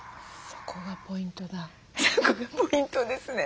そこがポイントですね。